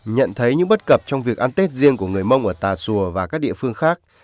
nhận thấy những bất cập trong việc ăn tết riêng của người mông ở tà xùa và các địa phương khác